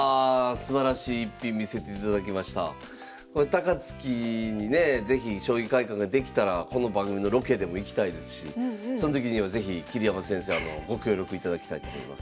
高槻にね是非将棋会館ができたらこの番組のロケでも行きたいですしその時には是非桐山先生ご協力いただきたいと思います。